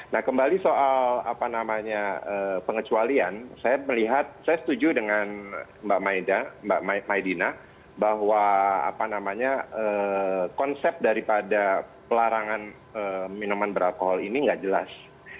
nah kembali soal pengecualian saya setuju dengan mbak maidina bahwa konsep daripada pelarangan minuman beralkohol ini tidak jelas